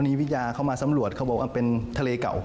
วิทยาเข้ามาสำรวจเขาบอกว่าเป็นทะเลเก่า